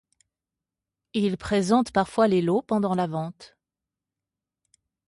Il présente parfois les lots pendant la vente.